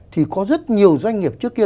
thì có rất nhiều doanh nghiệp trước kia